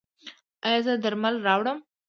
ایا زه درمل راوړم؟